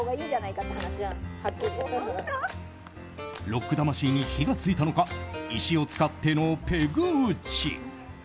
ロック魂に火が付いたのか石を使ってのペグ打ち。